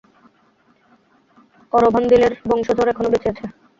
অরভান্দিলের বংশধর এখনও বেঁচে আছে।